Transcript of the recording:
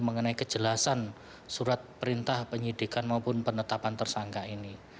mengenai kejelasan surat perintah penyidikan maupun penetapan tersangka ini